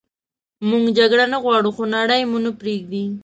موږ جګړه نه غواړو خو نړئ مو نه پریږدي